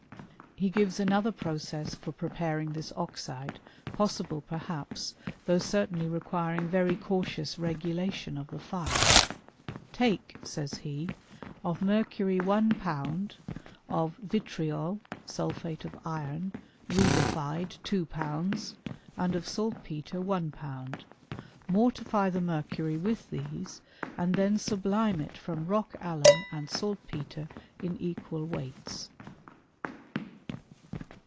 "* He gives another process for prepar ing this oxide, possible, perhaps, though certainly re quiring very cautious regulation of the fire. '' Take,'' sa3f8 he, ^' of mercury one pound, of vitriol (sulphate of iron) rubified two pounds, and of saltpetre one pound. Mortify the mercury with these, and then snblime it from rock alum and saltpetre in equal wc%hts."